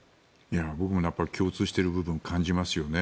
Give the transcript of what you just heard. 僕も共通している部分を感じますよね。